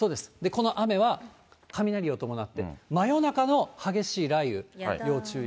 この雨は雷を伴って、真夜中の激しい雷雨、要注意。